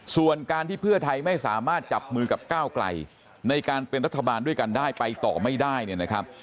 ส่วนการที่เพื่อไทยไม่สามารถจับมือกับก้าวไกลในการเป็นรัฐบาลด้วยกันได้ไปต่อไม่ได้เนี่ยนะครับ